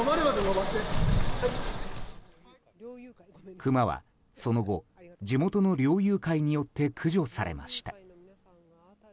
クマはその後、地元の猟友会によって駆除されました。